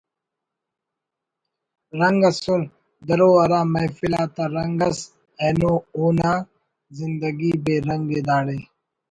رنگ ئسر درو ہرا محفل آتا رنگ ئس اینو اونا زندگی بے رنگ ءِ داڑے